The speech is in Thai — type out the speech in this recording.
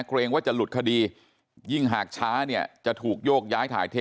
เกรงว่าจะหลุดคดียิ่งหากช้าเนี่ยจะถูกโยกย้ายถ่ายเท